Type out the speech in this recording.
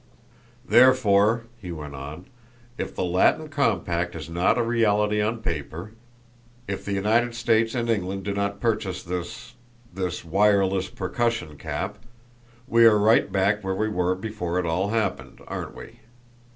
"Therefore," he went on, "if the Latin compact is not a reality on paper; if the United States and England do not purchase this this wireless percussion cap, we are right back where we were before it all happened, aren't we?